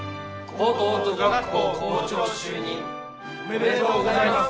高等女学校校長就任おめでとうございます。